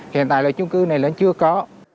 hiện tại là chung cư này nó chưa có